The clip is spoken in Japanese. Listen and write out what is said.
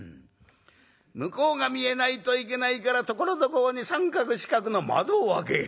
「向こうが見えないといけないからところどころに三角四角の窓をあけ